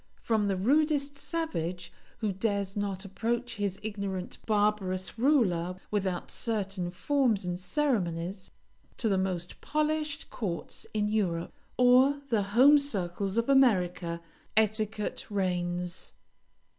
From the rudest savage who dares not approach his ignorant, barbarous ruler without certain forms and ceremonies, to the most polished courts in Europe, or the home circles of America, etiquette reigns.